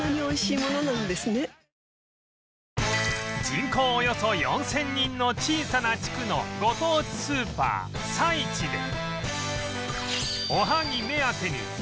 人口およそ４０００人の小さな地区のご当地スーパーさいちで